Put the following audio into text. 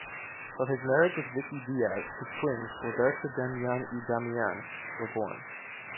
From his marriage with Vicky Díaz, his twins, Roberta Damián y Damián, were born.